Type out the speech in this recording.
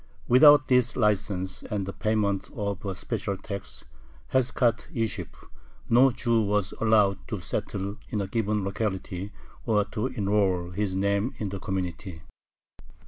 Without this license and the payment of a special tax (hezkath yishub) no Jew was allowed to settle in a given locality or to enroll his name in the community.